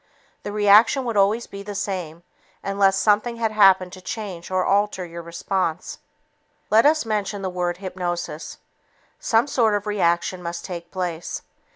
The reaction would always be the same unless something had happened to change or alter your response. Let us mention the word hypnosis. Some sort of reaction must take place.